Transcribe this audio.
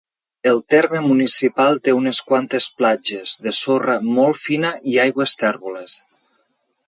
El terme municipal té unes quantes platges, de sorra molt fina i aigües tèrboles.